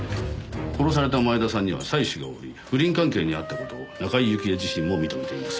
殺された前田さんには妻子がおり不倫関係にあった事を中井雪絵自身も認めています。